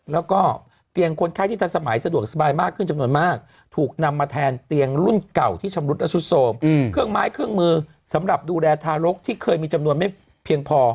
แล้วก็เตียงคนไข้ที่ทันสมัยสะดวกสบายมากขึ้นจำนวนมากถูกนำมาแทนเตียงรุ่นเก่าที่ชำรุดและสุดโสมเครื่องไม้เครื่องมือสำหรับดูแลทารกที่เคยมีจำนวนไม่เพียงพอ